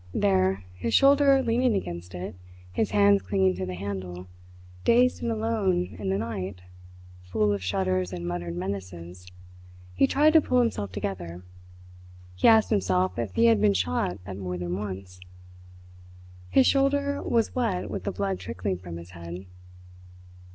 There, his shoulder leaning against it, his hands clinging to the handle, dazed and alone in the night full of shudders and muttered menaces, he tried to pull himself together. He asked himself if he had been shot at more than once. His shoulder was wet with the blood trickling from his head.